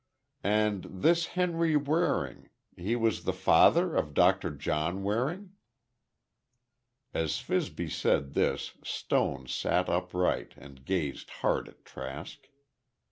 "And this Henry Waring—he was the father of Doctor John Waring?" As Fibsy said this, Stone sat upright, and gazed hard at Trask.